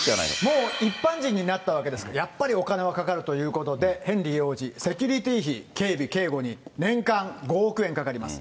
もう一般人になったということで、やっぱりお金はかかるということで、ヘンリー王子、セキュリティー費、警備、警護に年間５億円かかります。